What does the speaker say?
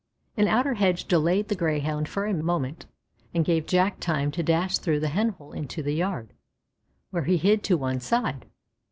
An outer hedge delayed the Greyhound for a moment and gave Jack time to dash through the hen hole into the yard, where he hid to one side.